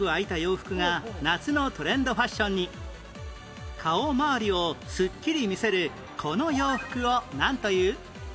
４年前顔まわりをすっきり見せるこの洋服をなんという？